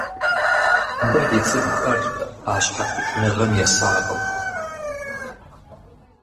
Дэ ди цӀыхухэр а щхьэхуитыныгъэм есакъым.